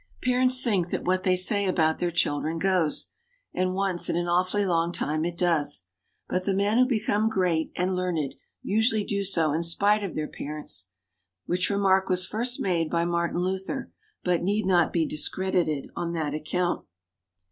Parents think that what they say about their children goes, and once in an awfully long time it does, but the men who become great and learned usually do so in spite of their parents which remark was first made by Martin Luther, but need not be discredited on that account.